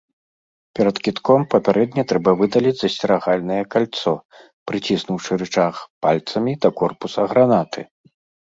Перад кідком папярэдне трэба выдаліць засцерагальнае кальцо, прыціснуўшы рычаг пальцамі да корпуса гранаты.